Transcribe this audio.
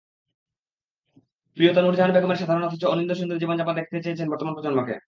প্রিয়তা নূরজাহান বেগমের সাধারণ অথচ অনিন্দ্যসুন্দর জীবনযাপন দেখাতে চেয়েছেন বর্তমান প্রজন্মকে।